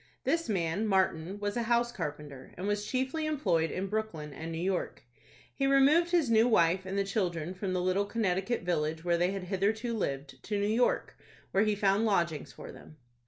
This man, Martin, was a house carpenter, and was chiefly employed in Brooklyn and New York. He removed his new wife and the children from the little Connecticut village, where they had hitherto lived, to New York, where he found lodgings for them.